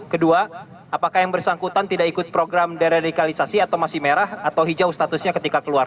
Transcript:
kedua apakah yang bersangkutan tidak ikut program deradikalisasi atau masih merah atau hijau statusnya ketika keluar